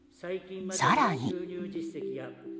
更に。